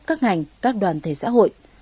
các ngành các đoàn thể xã hội